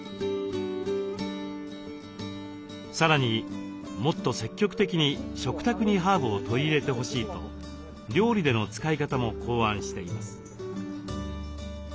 さらにもっと積極的に食卓にハーブを取り入れてほしいと料理での使い方も考案しています。